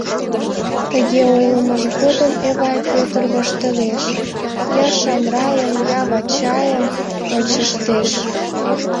Тыге ойлымыж годым Эвай Пӧтыр воштылеш, я Шамрайым, я Вачайым ончыштеш.